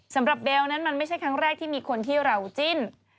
สำหรับเบลนั้นมันไม่ใช่ครั้งแรกที่มีคนที่เราจิ้น